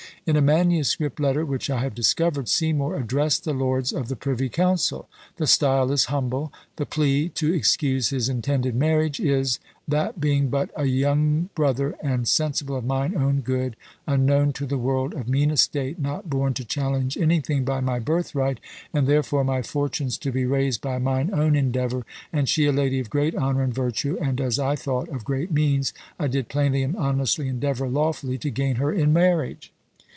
In a manuscript letter which I have discovered, Seymour addressed the lords of the privy council. The style is humble; the plea to excuse his intended marriage is, that being but "A young brother, and sensible of mine own good, unknown to the world, of mean estate, not born to challenge anything by my birthright, and therefore my fortunes to be raised by mine own endeavour, and she a lady of great honour and virtue, and, as I thought, of great means, I did plainly and honestly endeavour lawfully to gain her in marriage."